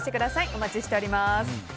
お待ちしております。